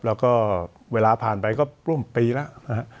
แล้วก็เวลาผ่านไปก็ร่วมปีแล้วนะฮะ